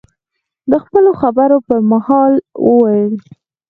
د خپلو خبرو په مهال، وویل: